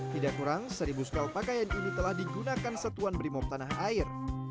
tidak kurang seribu setel pakaian ini telah digunakan setuan berimom tanah air